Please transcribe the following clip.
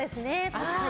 確かに。